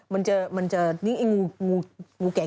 มันจะรัดให้กระดูกแตก